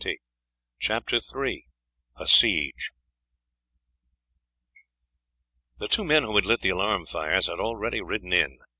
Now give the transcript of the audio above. "] CHAPTER III A SIEGE The two men who had lit the alarm fires had already ridden in.